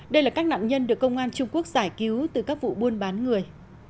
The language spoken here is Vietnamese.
đây là các nạn nhân được công an trung quốc giải cứu từ các vụ buôn bán người